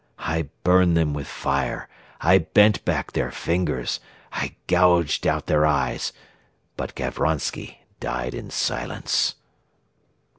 I burned them with fire; I bent back their fingers; I gouged out their eyes; but Gavronsky died in silence."